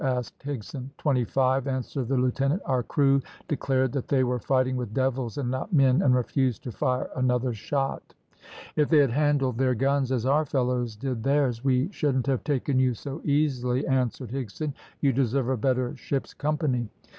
asked Higson. "Twenty five," answered the lieutenant. "Our crew declared that they were fighting with devils and not men, and refused to fire another shot." "If they had handled their guns as our fellows did theirs, we shouldn't have taken you so easily," answered Higson. "You deserve a better ship's company."